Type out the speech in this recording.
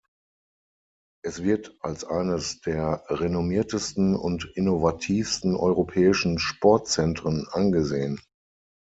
Es wird als eines der renommiertesten und innovativsten europäischen Sportzentren angesehen.